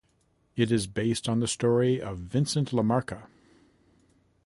It is based on the story of Vincent LaMarca.